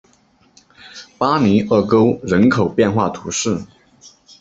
巴尼厄沟人口变化图示